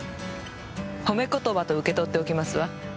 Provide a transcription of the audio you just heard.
褒め言葉と受け取っておきますわ。